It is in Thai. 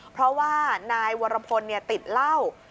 เพราะว่านายวรพลติดเหล้า